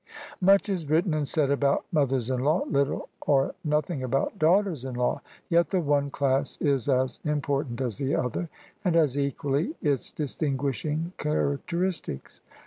Much is written and said about mothers in law: little or nothing about daughters in law: yet the one class is as important as the other, and has equally its distinguishing characteristics.